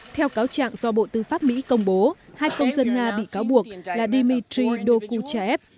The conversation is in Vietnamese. theo cáo chạm do bộ tư pháp mỹ công bố hai công dân nga bị cáo buộc là dmitry dokuchaev